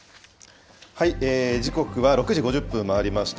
時刻は６時５０分を回りました。